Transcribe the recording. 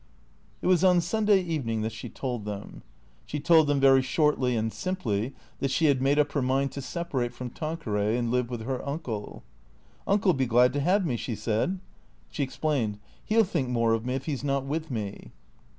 It was on Sunday evening that she told them. She told them, very shortly and simply, that she had made up her mind to separate from Tanqueray and live with her uncle. " Uncle '11 be glad to 'ave me," she said. She explained. " He '11 think more of me if he 's not with me."